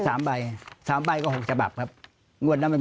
ทั้ง๓ใบ๓ใบก็๖ฉบับครับ